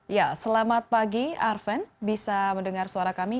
ya selamat pagi arven bisa mendengar suara kami